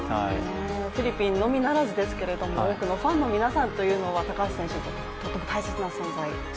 フィリピンのみならずですけれども多くのファンの皆さんというのは、高橋選手にとって、とても大切な存在？